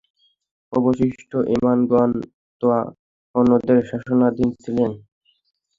অবশিষ্ট ইমামগণ তো অন্যদের শাসনাধীন ছিলেন।